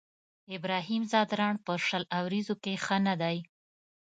ابراهيم ځدراڼ په شل اوريزو کې ښه نه دی.